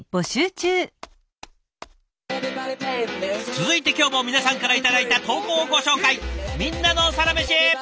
続いて今日も皆さんから頂いた投稿をご紹介！